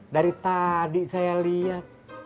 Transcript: dari tadi saya lihat